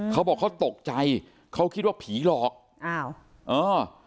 เขาบอกเขาตกใจเขาคิดว่าผีหลอกอ้าวเออ